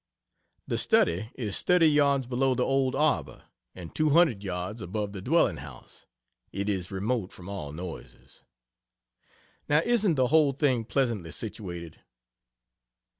The Study is 30 yards below the old arbor and 200 yards above the dwelling house it is remote from all noises..... Now isn't the whole thing pleasantly situated?